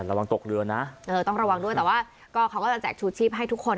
ระวังตกเรือนะเออต้องระวังด้วยแต่ว่าก็เขาก็จะแจกชูชีพให้ทุกคน